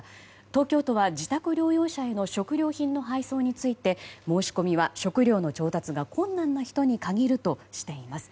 東京都は自宅療養者への食料品の配送について申し込みは食料の調達が困難な人に限るとしています。